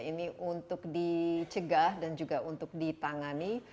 ini untuk dicegah dan juga untuk ditangani